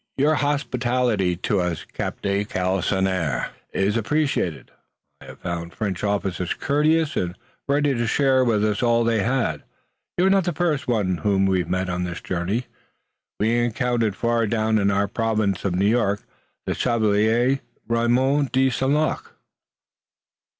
"Your hospitality to us, Captain de Galisonnière, is appreciated. I have found French officers courteous and ready to share with us all they had. You are not the first whom we have met on this journey. We encountered far down in our province of New York the Chevalier Raymond de St. Luc."